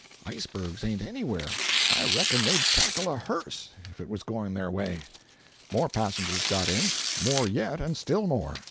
Icebergs ain't anywhere. I reckon they'd tackle a hearse, if it was going their way." More passengers got in; more yet, and still more.